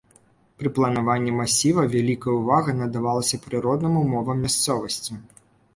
Пры планаванні масіва вялікая ўвага надавалася прыродным умовам мясцовасці.